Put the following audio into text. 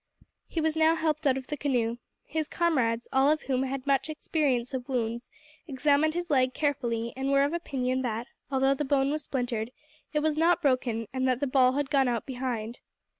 He was now helped out of the canoe. His comrades, all of whom had much experience of wounds, examined his leg carefully, and were of opinion that, although the bone was splintered, it was not broken, and that the ball had gone out behind.